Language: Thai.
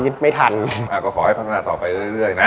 ก็ขอให้พัฒนาต่อไปเรื่อยนะ